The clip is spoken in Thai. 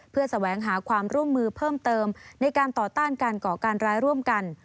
เพื่อแสวงหาความร่วมมือเพิ่มเติมในการต่อต้านการก่อการร้ายร่วมกัน